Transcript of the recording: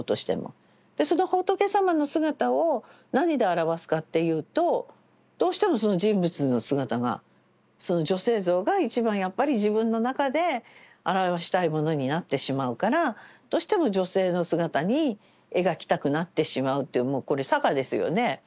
その仏様の姿を何で表すかっていうとどうしてもその人物の姿が女性像が一番やっぱり自分の中で表したいものになってしまうからどうしても女性の姿に描きたくなってしまうというもうこれさがですよね。